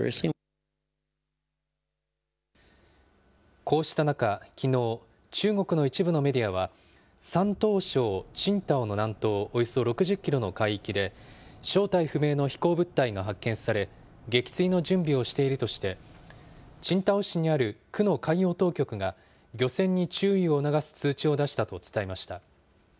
こうした中、きのう、中国の一部のメディアは、山東省青島の南東およそ６０キロの海域で、正体不明の飛行物体が発見され、撃墜の準備をしているとして、青島市にある区の海洋当局が、漁船に注意を促す通知を出したと伝えました。